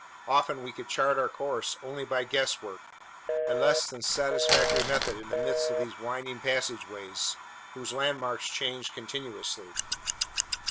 Often we could chart our course only by guesswork, a less than satisfactory method in the midst of these winding passageways whose landmarks change continuously.